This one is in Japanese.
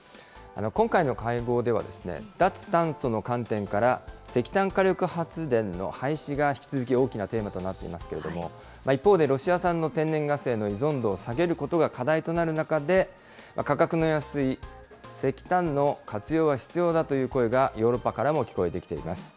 今回の会合では、脱炭素の観点から石炭火力発電の廃止が引き続き大きなテーマとなっていますけれども、一方で、ロシア産の天然ガスへの依存度を下げることが課題となる中で、価格の安い石炭の活用が必要だという声がヨーロッパからも聞こえてきています。